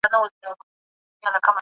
صدقه د مال او ژوند برکت دی.